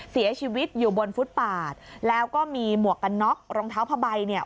เสียชีวิตอยู่บนฟุตปาดแล้วก็มีหมวกกันน็อกรองเท้าผ้าใบเนี่ย